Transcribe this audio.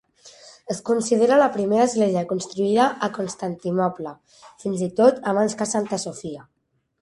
Es considera la primera església construïda a Constantinoble, fins i tot abans que Santa Sofia.